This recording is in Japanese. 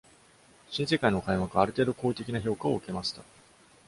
「新世界」の開幕は、ある程度好意的な評価を受けました。